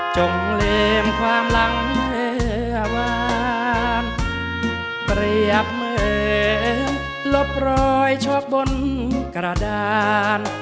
จงเลมความหลังเมื่อวานเปรียบเหมือนลบรอยชอบบนกระดาน